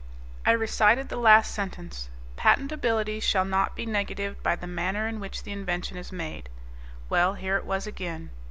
I recited the last sentence, "Patentability shall not be negatived by the manner in which the invention is made." Well, here it was again.